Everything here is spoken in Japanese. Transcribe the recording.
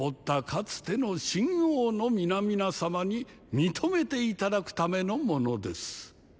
かつての秦王の皆々様に認めて頂くためのものです。